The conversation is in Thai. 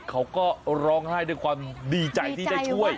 เขาก็ร้องไห้ด้วยความดีใจที่ได้ช่วย